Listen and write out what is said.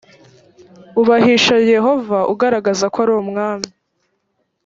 ubahisha yehova ugaragaza ko ari umwami